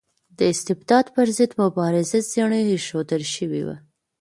د استبداد پر ضد مبارزه زڼي ایښودل شوي وو.